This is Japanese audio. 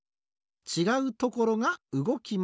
ちがうところがうごきます。